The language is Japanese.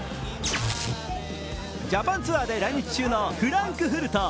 ジャパンツアーで来日中のフランクフルト。